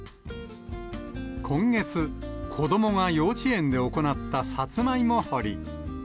今月、子どもが幼稚園で行ったさつまいも掘り。